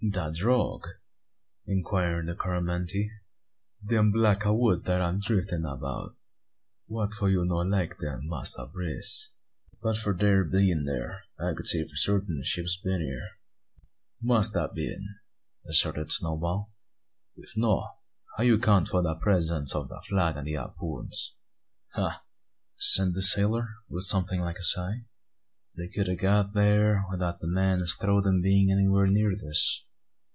"De drogue?" inquired the Coromantee. "Dem block o' wood dat am driffin' about? Wha' for you no like dem, Massa Brace?" "But for their bein' thear I could say for sartin a ship had been here." "Must a' been!" asserted Snowball. "If no', how you count for de presence ob de flag and de hapoons?" "Ah!" answered the sailor, with something like a sigh; "they kud a' got thear, without the men as throwed 'em bein' anywhere near this.